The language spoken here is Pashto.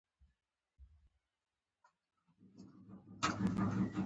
آیا په رښتیا هم پاکستان غواړي چې د تقاعد حقوق ترلاسه کړي؟